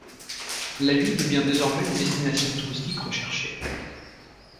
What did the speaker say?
La ville devient désormais une destination touristique recherchée.